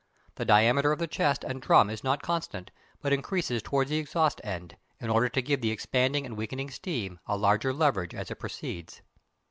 The diameter of the chest and drum is not constant, but increases towards the exhaust end, in order to give the expanding and weakening steam a larger leverage as it proceeds.